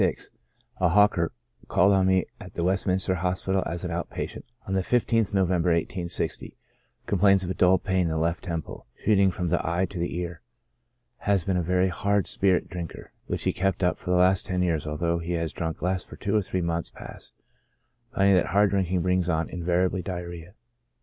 26, a hawker, called on me at the West minster Hospital, as an out patient, on the 15th November, i860. Complains of a dull pain in the left temple, shoot ing from the eye to the ear. Has been a very hard spirit drinker, which he kept up for the last ten years, although he has drunk less for two or three months past, finding that hard drinking brings on invariably diarrhoea.